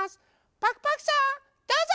パクパクさんどうぞ！